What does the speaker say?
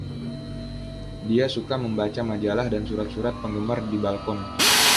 Dia suka membaca majalah dan surat-surat penggemar di balkon.